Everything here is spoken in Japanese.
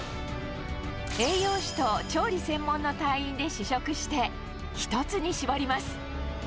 栄養士と調理専門の隊員で試食して、１つに絞ります。